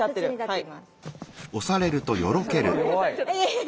はい。